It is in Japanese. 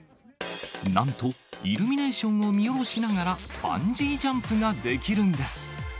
なんと、いるみねーしょんを見下ろしながら、バンジージャンプができるんです。